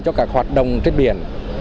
cho các hoạt động trên biển